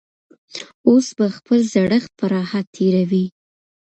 اوس به خپل زړښت په راحت تېروي.